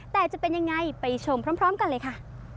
แต่จะเป็นยังไงไปชมพร้อมกันเลยค่ะ